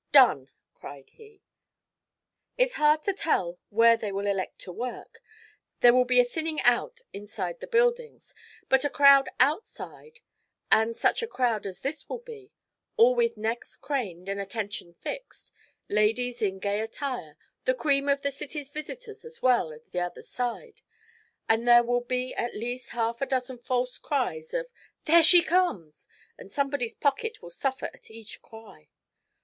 'Done!' cried he. 'It's hard to tell where they will elect to work. There will be a thinning out inside the buildings, but a crowd outside, and such a crowd as this will be all with necks craned and attention fixed; ladies in gay attire, the cream of the city's visitors as well as the other side; and there will be at least half a dozen false cries of "There she comes!" and somebody's pocket will suffer at each cry.'